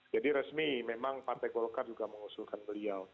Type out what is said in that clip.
jadi resmi memang partai golkar juga mengusulkan beliau